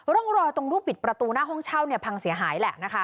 ร่องรอยตรงรูปปิดประตูหน้าห้องเช่าเนี่ยพังเสียหายแหละนะคะ